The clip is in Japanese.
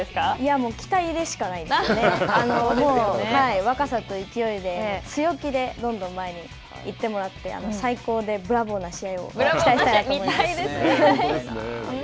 もう若さと勢いで、強気でどんどん前に行ってもらって最高でブラボーな試合を期待したいと思います。